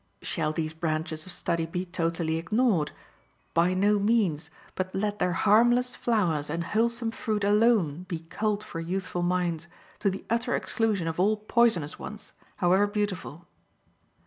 Shall these branches of study be totally ignored? By no means; but let their harmless flowers and wholesome fruit alone be culled for youthful minds, to the utter exclusion of all poisonous ones, however beautiful.